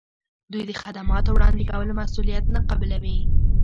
دوی د خدماتو وړاندې کولو مسولیت نه قبلوي.